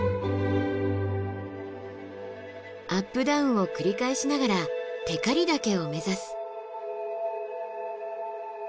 アップダウンを繰り返しながら光岳を目指す。